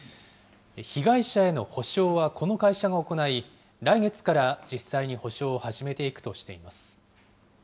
被害者への補償はこの会社が行い、来月から実際に補償を始めていくとしています。